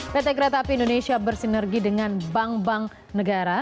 pt kereta api indonesia bersinergi dengan bank bank negara